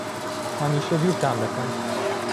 ھەمیشە بیرتان دەکەم.